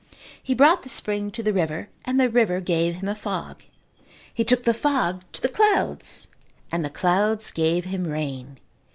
He brought the spring to the river and the river gave him a fog. He took the fog to the clouds and the clouds gave him rain.